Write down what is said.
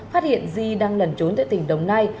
phát hiện di đang lần trốn tại tỉnh đồng nai